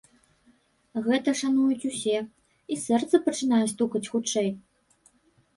Гэта шануюць усе, і сэрца пачынае стукаць хутчэй.